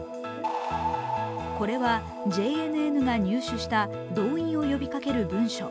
これはＪＮＮが入手した動員を呼びかける文書。